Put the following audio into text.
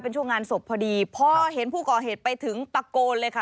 เป็นช่วงงานศพพอดีพอเห็นผู้ก่อเหตุไปถึงตะโกนเลยค่ะ